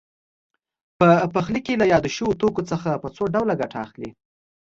په پخلي کې له یادو شویو توکو څخه په څو ډوله ګټه اخلي.